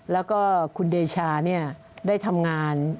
แล้วก็คุณเดชาได้ทำงาน